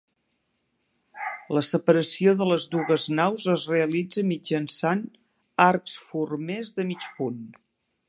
La separació de les dues naus es realitza mitjançant arcs formers de mig punt.